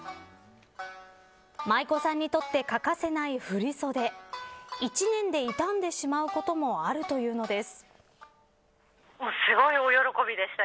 舞子さんにとって欠かせない振り袖１年で傷んでしまうこともあるというのです。